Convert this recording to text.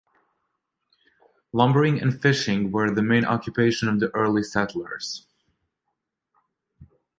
Lumbering and fishing were the main occupations of the early settlers.